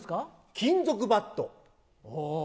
金属バット。